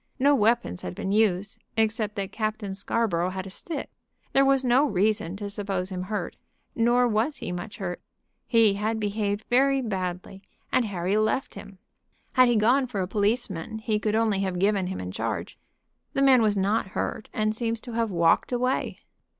No weapons had been used, except that Captain Scarborough had a stick. There was no reason to suppose him hurt, nor was he much hurt. He had behaved very badly, and Harry left him. Had he gone for a policeman he could only have given him in charge. The man was not hurt, and seems to have walked away."